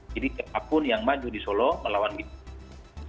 jadi apapun yang maju di solo melawan kita